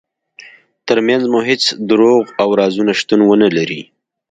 ترمنځ مو هیڅ دروغ او رازونه شتون ونلري.